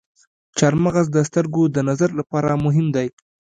چارمغز د سترګو د نظر لپاره مهم دی.